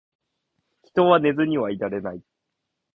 人は寝ずにはいられない